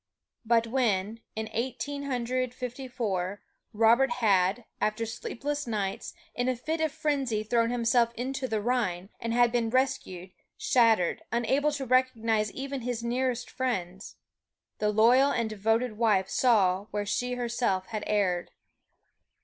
But when, in Eighteen Hundred Fifty four, Robert had, after sleepless nights, in a fit of frenzy thrown himself into the Rhine, and had been rescued, shattered, unable to recognize even his nearest friends the loyal and devoted wife saw where she herself had erred.